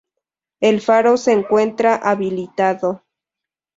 El faro se encuentra habilitado.